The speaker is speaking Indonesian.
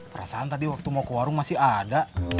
perasaan tadi waktu mau ke warung masih ada